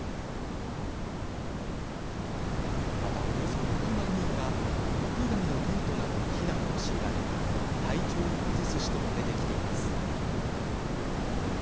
また、およそ６万人が屋外のテントなどに避難を強いられ体調を崩す人も出てきています。